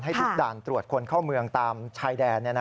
ทุกด่านตรวจคนเข้าเมืองตามชายแดน